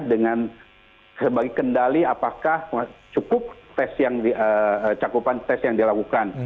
dengan sebagai kendali apakah cukup cakupan tes yang dilakukan